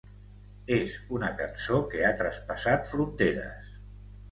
És una cançó que ha traspassat fronteres.